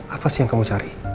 apa sih yang kamu cari